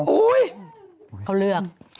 อุ๊ยเขาเลือก